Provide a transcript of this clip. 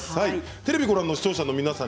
テレビをご覧の視聴者の皆さん